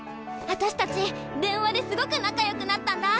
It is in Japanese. あたしたち電話ですごく仲よくなったんだ！